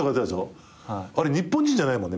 あれ日本人じゃないもんね